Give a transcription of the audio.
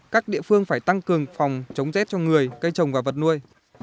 các địa phương phải tăng cường phòng chống rét cho người cây trồng và vật nuôi